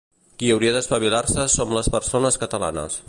Qui hauria d'espavilar-se som les persones catalanes.